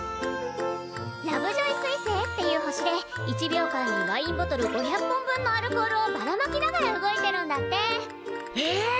ラブジョイすい星っていう星で１秒間にワインボトル５００本分のアルコールをばらまきながら動いてるんだって。え！？